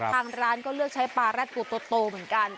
ทางร้านก็เลือกใช้ปลารัดกูโตเหมือนกัน